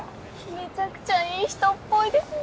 めちゃくちゃいい人っぽいですね。